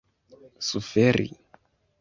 suferi